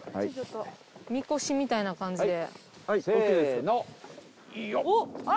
みこしみたいな感じで。